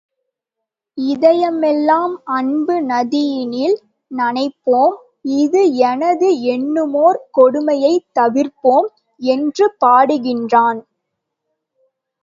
இதயமெலாம் அன்பு நதியினில் நனைப்போம் இது எனது என்னுமோர் கொடுமையைத் தவிர்ப்போம்! என்று பாடுகின்றான்.